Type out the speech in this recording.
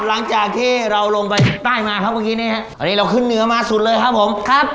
หลังจากที่เราลงไปใต้มาครับเมื่อกี้เนี่ยอันนี้เราขึ้นเหนือมาสุดเลยครับผมครับ